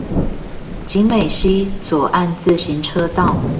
景美溪左岸自行車道